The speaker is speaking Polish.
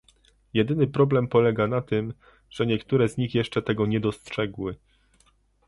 Jedyny problem polega na tym, że niektóre z nich jeszcze tego nie dostrzegły